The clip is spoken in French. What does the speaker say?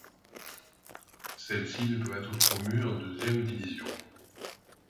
Celle-ci ne peuvent être promues en deuxième division.